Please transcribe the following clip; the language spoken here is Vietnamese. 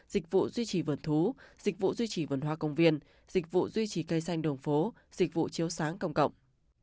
dịch vụ duy trì vườn thú dịch vụ duy trì vườn hoa công viên dịch vụ duy trì cây xanh đường phố dịch vụ chiếu sáng công cộng